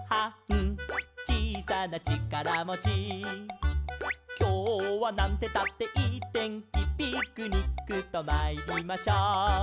「ちいさなちからもち」「きょうはなんてったっていいてんき」「ピクニックとまいりましょう」